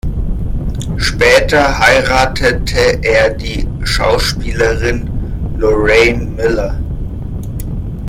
Später heiratete er die Schauspielerin Lorraine Miller.